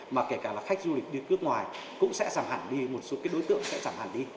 mà kể cả là khách du lịch đi cước ngoài cũng sẽ giảm hẳn đi một số đối tượng sẽ giảm hẳn đi